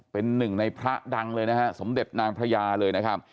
เป็นหนึ่งในพระดังเลยนะฮะสมเด็จนางพระยาเลยนะครับ